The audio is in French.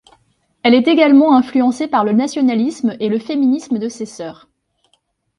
Elle est également influencée par le nationalisme et le féminisme de ses sœurs.